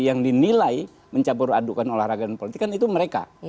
yang dinilai mencabur adukan olahraga dan politik kan itu mereka